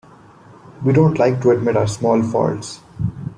We don't like to admit our small faults.